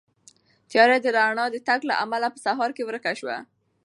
تیاره د رڼا د راتګ له امله په سهار کې ورکه شوه.